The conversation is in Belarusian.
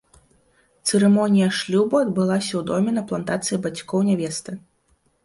Цырымонія шлюбу адбылася ў доме на плантацыі бацькоў нявесты.